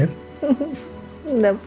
dia bahkan kurang dapat hoba